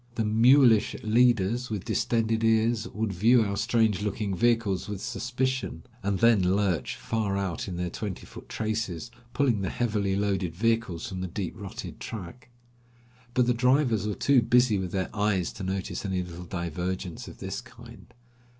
The mulish leaders, with distended ears, would view our strange looking vehicles with suspicion, and then lurch far out in their twenty foot traces, pulling the heavily loaded vehicles from the deep rutted track. But the drivers were too busy with their eyes to notice any little divergence of this kind.